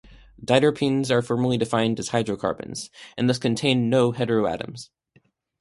Diterpenes are formally defined as being hydrocarbons and thus contain no heteroatoms.